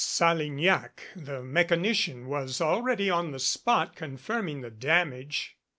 Salignac, the mechanician, was already on the spot confirming the damage.